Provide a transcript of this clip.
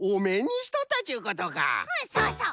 そうそう。